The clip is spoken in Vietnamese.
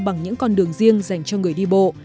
bằng những con đường riêng dành cho người đi bộ